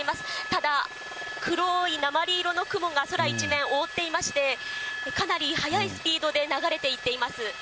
ただ、黒い鉛色の雲が空一面覆っていまして、かなり速いスピードで流れていっています。